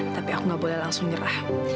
tapi aku gak boleh langsung nyerah